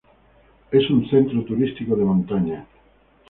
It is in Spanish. Es un centro turístico de montaña.